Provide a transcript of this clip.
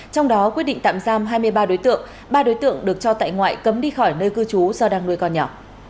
trong đó quyết định tạm giam hai mươi ba đối tượng ba đối tượng được cho tại ngoại cấm đi khỏi nơi cư trú do đang nuôi con nhỏ